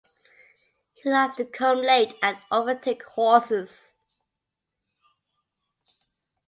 He likes to come late and overtake horses.